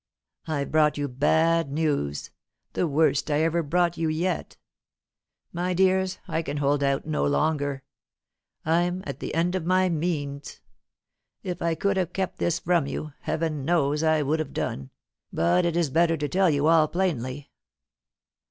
"I've brought you bad news, the worst I ever brought you yet. My dears, I can hold out no longer; I'm at the end of my means. If I could have kept this from you, Heaven knows I would have done, but it is better to tell you all plainly."